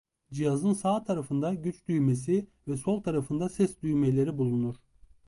Cihazın sağ tarafında güç düğmesi ve sol tarafında ses düğmeleri bulunur.